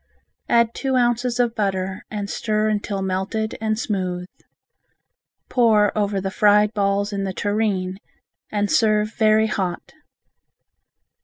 Add two ounces of butter and stir until melted and smooth. Pour over the fried balls in the tureen and serve very hot.